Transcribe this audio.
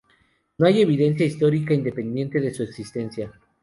No hay evidencia histórica independiente de su existencia.